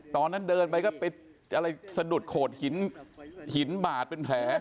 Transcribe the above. ตอนนั้นเดินไปก็ไปอะไรสะดุดโขดหินหินบาดเป็นแผล